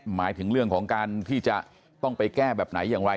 หมายถึงเรื่องของการที่จะต้องไปแก้แบบไหนอย่างไร